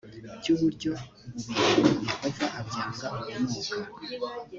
by uburyo bubiri yehova abyanga urunuka